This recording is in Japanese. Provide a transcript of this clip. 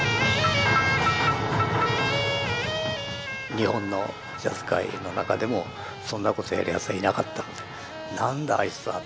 日本のジャズ界の中でもそんなことやるやつはいなかったので「何だあいつは」。